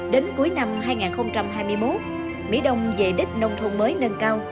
đến cuối năm hai nghìn hai mươi một mỹ đông về đích nông thôn mới nâng cao